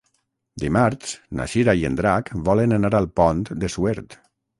Dimarts na Cira i en Drac volen anar al Pont de Suert.